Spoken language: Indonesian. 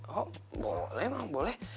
oh boleh ma boleh